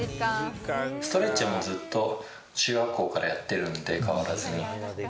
ストレッチはもうずっと、中学校からやってるんで、変わらずに。